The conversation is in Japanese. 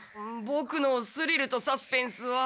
ボクのスリルとサスペンスは。